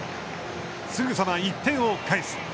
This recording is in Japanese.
すぐさま１点を返す。